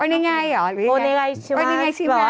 โอเนไงชิมมาสหรือยังไง